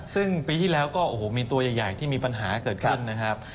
ซึ่งปีที่แล้วก็โอ้โหมีตัวใหญ่ที่มีปัญหาเกิดขึ้นนะครับ